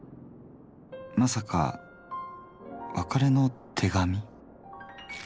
まさか別れの手紙。